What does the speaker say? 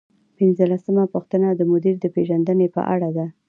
پنځلسمه پوښتنه د مدیر د پیژندنې په اړه ده.